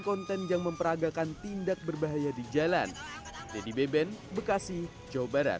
konten yang memperagakan tindak berbahaya di jalan dedy beben bekasi jawa barat